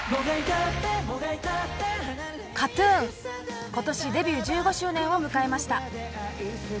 ＫＡＴ‐ＴＵＮ今年デビュー１５周年を迎えました。